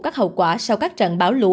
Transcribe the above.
các hậu quả sau các trận bão lũ